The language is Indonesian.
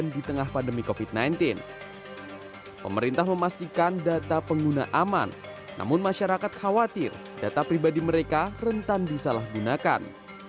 data pribadi mereka rentan disalahgunakan